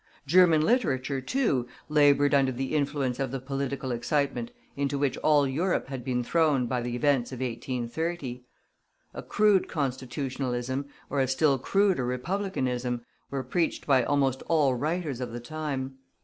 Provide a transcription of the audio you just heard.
German literature, too, labored under the influence of the political excitement into which all Europe had been thrown by the events of 1830. A crude Constitutionalism, or a still cruder Republicanism, were preached by almost all writers of the time.